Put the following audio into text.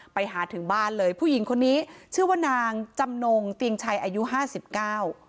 ไปถึงบ้านเลยผู้หญิงคนนี้ชื่อว่านางจำนงเตียงชัยอายุห้าสิบเก้า